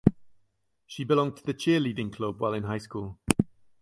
She belonged to the cheerleading club while in high school.